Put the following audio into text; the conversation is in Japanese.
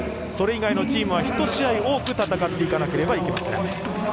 それ以外のチームは１試合多く戦っていかなければいけません。